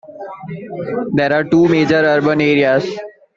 There are two major urban areas.